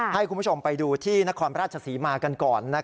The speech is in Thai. ให้คุณผู้ชมไปดูที่นครราชศรีมากันก่อน